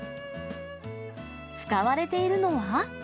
使われているのは。